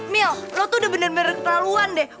mil lo tuh udah bener bener kelaluan deh